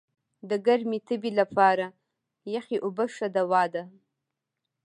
د ګرمي تبي لپاره یخي اوبه ښه دوا ده.